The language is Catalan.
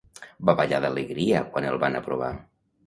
Va ballar d'alegria quan el van aprovar.